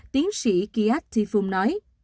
tiến sĩ kiat tifum nói